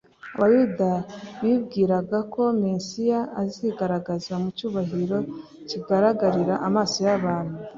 abayuda bibwiraga ko mesiya azigaragaza mu cyubahiro kigaragarira amaso y’abantu